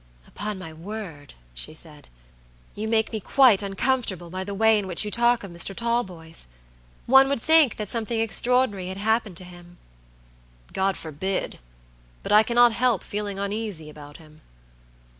"Upon my word," she said, "you make me quite uncomfortable by the way in which you talk of Mr. Talboys. One would think that something extraordinary had happened to him." "God forbid! But I cannot help feeling uneasy about him."